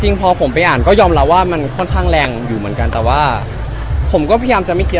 พอผมไปอ่านก็ยอมรับว่ามันค่อนข้างแรงอยู่เหมือนกันแต่ว่าผมก็พยายามจะไม่เคล